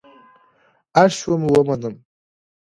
اړ شوم ومنم.